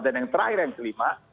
dan yang terakhir yang kelima